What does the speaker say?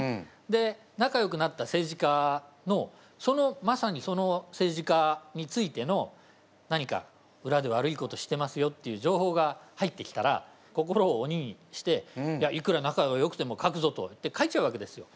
で仲よくなった政治家のまさにその政治家についての何か裏で悪いことしてますよっていう情報が入ってきたら心を鬼にしていくら仲がよくても書くぞと言って書いちゃうわけですよ。